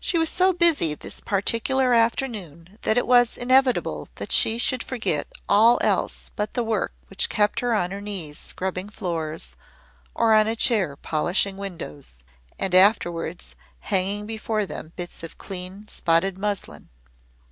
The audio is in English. She was so busy this particular afternoon that it was inevitable that she should forget all else but the work which kept her on her knees scrubbing floors or on a chair polishing windows, and afterwards hanging before them bits of clean, spotted muslin.